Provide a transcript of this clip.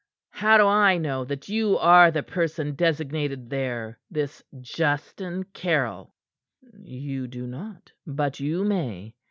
"How do I know that you are the person designated there this Justin Caryll?" "You do not; but you may.